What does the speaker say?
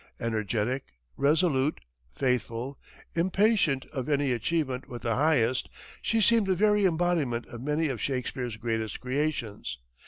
Energetic, resolute, faithful, impatient of any achievement but the highest, she seemed the very embodiment of many of Shakespeare's greatest creations.